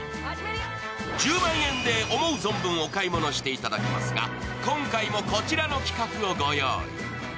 １０万円で思う存分お買い物していただきますが今回もこちらの企画をご用意。